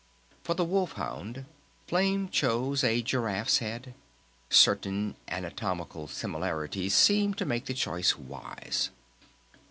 For the Wolf Hound Flame chose a Giraffe's head. Certain anatomical similarities seemed to make the choice wise.